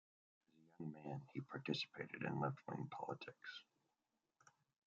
As a young man, he participated in left-wing politics.